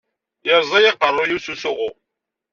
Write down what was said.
Yerẓa-yi aqerru-yiw s usuɣu.